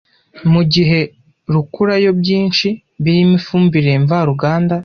mu gihe rukurayo byinshi birimo ifumbire mva ruganda,